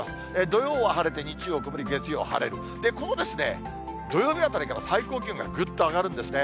土曜は晴れて、日曜曇り、月曜晴れる、この土曜日あたりから最高気温がぐっと上がるんですね。